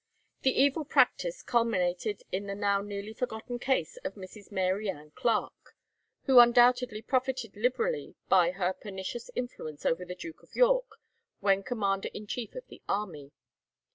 The evil practice culminated in the now nearly forgotten case of Mrs. Mary Ann Clarke, who undoubtedly profited liberally by her pernicious influence over the Duke of York when commander in chief of the army.